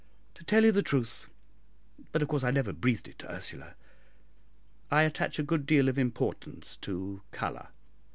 "To tell you the truth but of course I never breathed it to Ursula I attach a good deal of importance to colour."